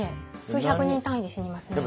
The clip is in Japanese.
数百人単位で死にますね。